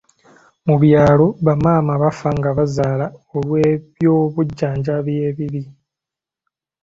Mu byalo, bamaama bafa nga bazaala olw'ebyobujjanjabi ebibi.